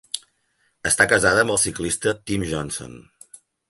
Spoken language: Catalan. Està casada amb el ciclista Tim Johnson.